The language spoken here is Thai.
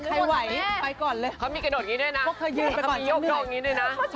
เพราะเขามีกระโดดด้วยนะ